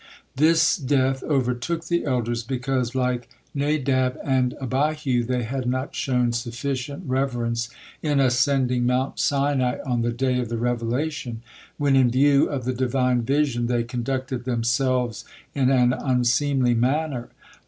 This death overtook the elders because like Nadab and Abihu they had not shown sufficient reverence in ascending Mount Sinai on the day of the revelation, when, in view of the Divine vision, they conducted themselves in an unseemly manner.